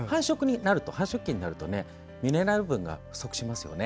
繁殖期になるとミネラル分が不足しますよね。